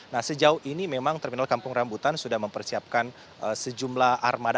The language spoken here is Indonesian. nah sejauh ini memang terminal kampung rambutan sudah mempersiapkan sejumlah armada